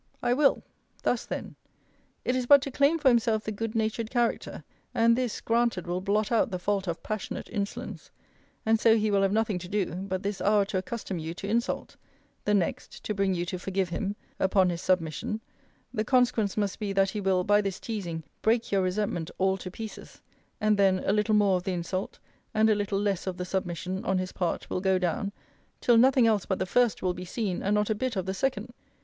I will. Thus then: It is but to claim for himself the good natured character: and this, granted, will blot out the fault of passionate insolence: and so he will have nothing to do, but this hour to accustom you to insult; the next, to bring you to forgive him, upon his submission: the consequence must be, that he will, by this teazing, break your resentment all to pieces: and then, a little more of the insult, and a little less of the submission, on his part, will go down, till nothing else but the first will be seen, and not a bit of the second.